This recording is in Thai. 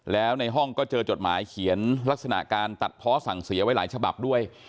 แล้วในห้องก็เจอจดหมายเขียนลักษณะการตัดเพาะสั่งเสียไว้หลายฉบับด้วย